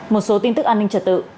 một số tin tức an ninh trật tự